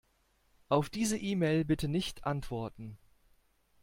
Auf diese E-Mail bitte nicht antworten.